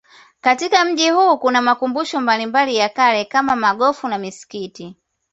Katika mji huu kuna makumbusho mbalimbali ya kale kama maghofu na misikiti